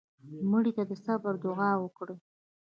مړه ته د صبر دوعا وکړې